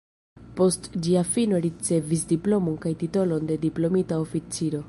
Post ĝia fino ricevis diplomon kaj titolon de diplomita oficiro.